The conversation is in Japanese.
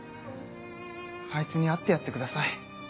あいつに会ってやってください。